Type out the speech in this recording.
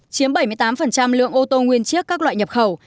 chiếm bảy mươi tám lượng ô tô nguyên chiếc các loại nhập khẩu